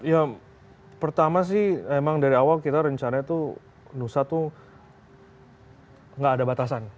ya pertama sih emang dari awal kita rencana tuh nusa tuh nggak ada batasan